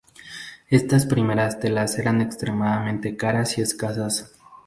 Estas primeras telas eran extremadamente caras y escasas.